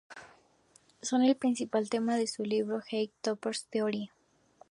Son el principal tema de su libro "Higher Topos Theory".